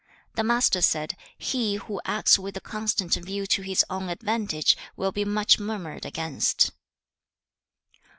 The Master said: 'He who acts with a constant view to his own advantage will be much murmured against.'